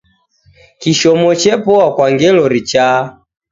Kishomo chepoa kwa ngelo richaa.